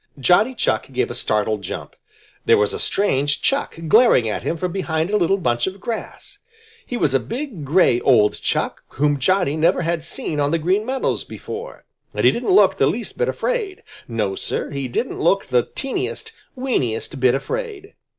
Johnny Chuck gave a startled jump. There was a strange Chuck glaring at him from behind a little bunch of grass. He was a big, gray old Chuck whom Johnny never had seen on the Green Meadows before, and he didn't look the least bit afraid. No, Sir, he didn't look the teeniest, weeniest bit afraid!